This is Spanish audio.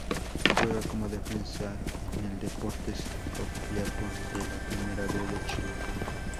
Juega como Defensa en el Deportes Copiapó de la Primera B de Chile.